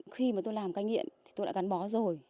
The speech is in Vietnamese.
khi mà tôi làm cái nghiện tôi đã gắn bó rồi